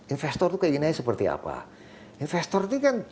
investor itu keinginannya seperti apa